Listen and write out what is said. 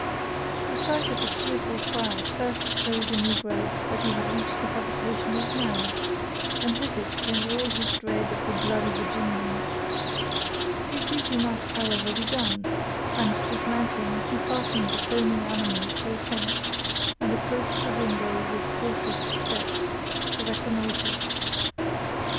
The sight of a cheerful fire first told the negro that he had reached the habitation of man, and with it came all his dread of the bloody Virginians; his duty must, however, be done, and, dismounting, he fastened the foaming animal to a fence, and approached the window with cautious steps, to reconnoiter.